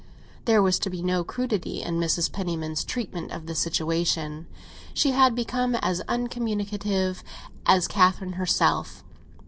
There was to be no crudity in Mrs. Penniman's treatment of the situation; she had become as uncommunicative as Catherine herself.